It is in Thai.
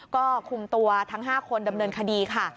ก็คุมตัวทั้ง๕คนดำเนินคดีค่ะ